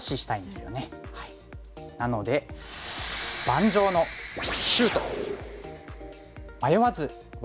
なので盤上のシュート！